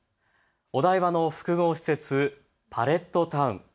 お台場の複合施設、パレットタウン。